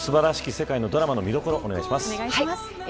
世界のドラマの見どころをお願いします。